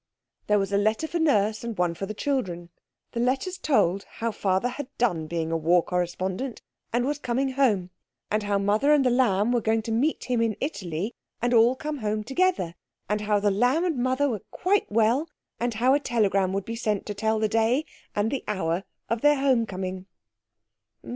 There was a letter for Nurse and one for the children. The letters told how Father had done being a war correspondent and was coming home; and how Mother and The Lamb were going to meet him in Italy and all come home together; and how The Lamb and Mother were quite well; and how a telegram would be sent to tell the day and the hour of their home coming.